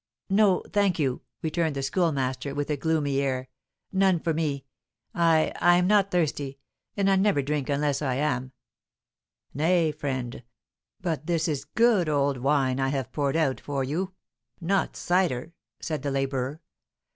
"No, thank you!" returned the Schoolmaster, with a gloomy air; "none for me. I I am not thirsty, and I never drink unless I am." "Nay, friend, but this is good old wine I have poured out for you; not cider," said the labourer.